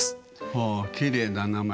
ほうきれいな名前。